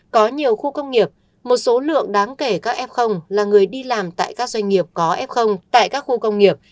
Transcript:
có nhiều khu công nghiệp một số lượng đáng kể các f là người đi làm tại các doanh nghiệp có f tại các khu công nghiệp